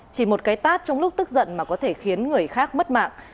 chỉ một cái tát trong lúc tức giận mà có thể khiến người khác mất mạng